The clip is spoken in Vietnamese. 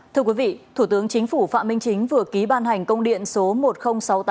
thưa quý vị thủ tướng chính phủ phạm minh chính vừa ký ban hành công điện số một nghìn sáu mươi tám